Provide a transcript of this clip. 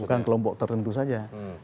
bukan kelompok tertentu saja